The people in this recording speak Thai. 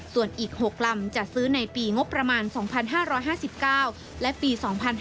ส่วนอีก๖ลำจะซื้อในปีงบประมาณ๒๕๕๙และปี๒๕๕๙